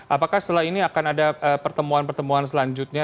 apakah setelah ini akan ada pertemuan pertemuan selanjutnya